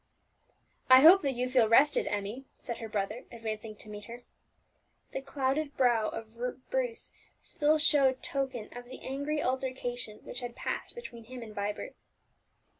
"I hope that you feel rested, Emmie," said her brother, advancing to meet her. The clouded brow of Bruce still showed token of the angry altercation which had passed between him and Vibert.